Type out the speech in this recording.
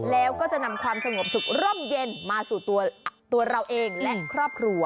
แล้วก็จะนำความสงบสุขร่มเย็นมาสู่ตัวเราเองและครอบครัว